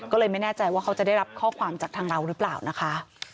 ก็เลยไม่แน่ใจว่าเขาจะได้รับข้อความจากทางเราหรือเปล่านะคะ